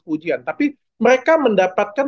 pujian tapi mereka mendapatkan